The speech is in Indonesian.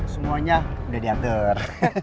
semuanya udah diatur